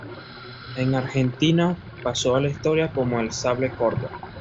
En Argentina pasó a la historia como "el sable corvo".